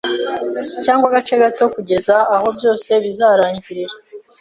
cyangwa agace gato kugeza aho byose bizarangirira.